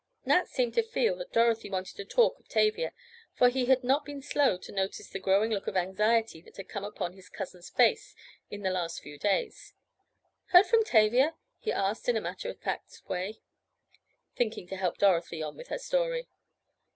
Nat seemed to feel that Dorothy wanted to talk of Tavia, for he had not been slow to notice the growing look of anxiety that had come upon his cousin's face in the last few days. "Heard from Tavia?" he asked in a matter of fact way, thinking to help Dorothy on with her story.